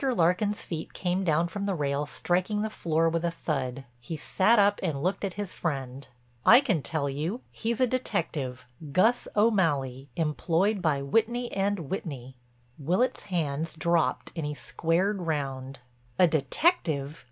Larkin's feet came down from the rail striking the floor with a thud. He sat up and looked at his friend: "I can tell you. He's a detective, Gus O'Malley, employed by Whitney & Whitney." Willitts' hands dropped and he squared round: "A detective!